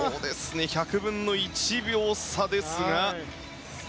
１００分の１秒差ですが。